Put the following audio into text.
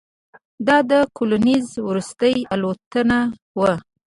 دا د کولینز وروستۍ الوتنه وه.